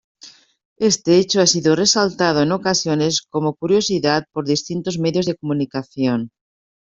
Este hecho ha sido resaltado en ocasiones como curiosidad por distintos medios de comunicación.